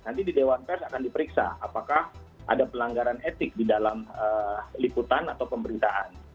nanti di dewan pers akan diperiksa apakah ada pelanggaran etik di dalam liputan atau pemberitaan